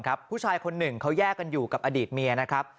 ผู้ชายคนหนึ่งเขาแยกกันอยู่กับอดีตเมียนะครับ